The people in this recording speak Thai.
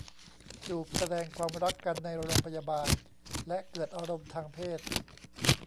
จูบแสดงความรักกันในโรงพยาบาลและเกิดอารมณ์ทางเพศ